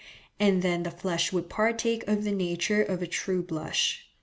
and then the flush would partake of the nature of a true blush.